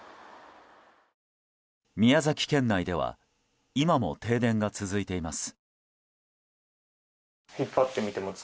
宮崎県内では今も停電が続いています。